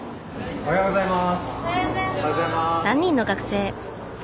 おはようございます。